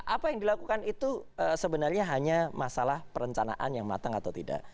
apa yang dilakukan itu sebenarnya hanya masalah perencanaan yang matang atau tidak